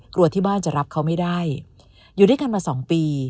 ที่บ้านจะรับเขาไม่ได้อยู่ด้วยกันมาสองปี